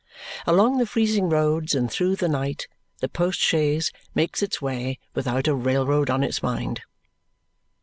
Along the freezing roads, and through the night, the post chaise makes its way without a railroad on its mind.